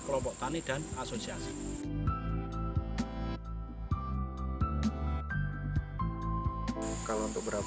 kelompok tani dan asosiasi